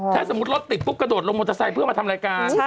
ถ้าสมมุติรถติดปุ๊บกระโดดลงมอเตอร์ไซค์เพื่อมาทำรายการ